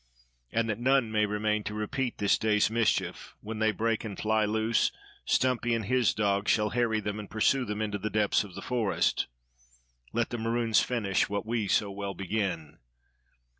And that none may remain to repeat this day's mischief, when they break and fly loose, Stumpy and his dogs shall harry them and pursue them into the depths of the forest. Let the maroons finish what we so well begin.